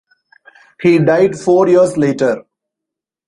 He died four years later.